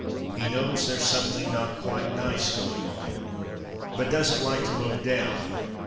He knows there's something not quite nice going on, but doesn't like to look down.